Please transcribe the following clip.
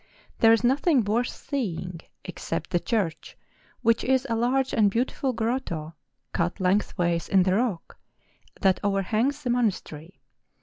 There is no¬ thing worth seeing except the church, which is a large and beautiful grotto cut lengthways in the rock that overhangs the monastery.